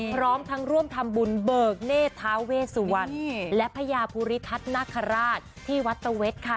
พร้อมทั้งร่วมทำบุญเบิกเนธทาเวสวรรณและพญาภูริทัศน์นาคาราชที่วัดตะเว็ดค่ะ